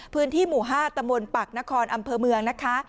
พื้นที่หมู่๕ตำบลปักนครอำเภอเมืองนะคะ